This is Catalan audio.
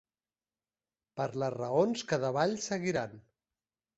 Per les raons que davall seguiran.